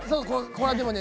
これはでもね